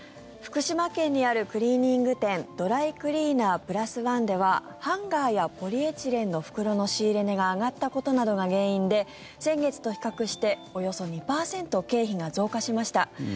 福島県にあるクリーニング店ドライクリーナープラス１ではハンガーやポリエチレンの袋の仕入れ値が上がったことなどが原因で先月と比較しておよそ２％経費が増加しました。